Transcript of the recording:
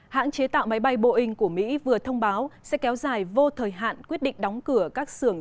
hãng chế tạo máy bay boeing của mỹ vừa thông báo sẽ kéo dài vô thời hạn quyết định đóng cửa các xưởng